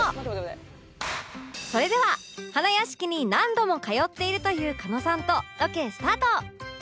それでは花やしきに何度も通っているという狩野さんとロケスタート！